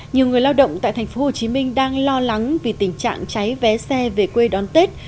nhiều người lao động tại thành phố hồ chí minh đang lo lắng vì tình trạng cháy vé xe về quê đón tết